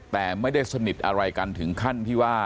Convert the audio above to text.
แต่ไม่ได้สนิทอะไรกันถึงขั้นที่ว่า